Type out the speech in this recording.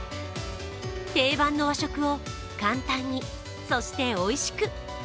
定番の和食を簡単に、そしておいしく。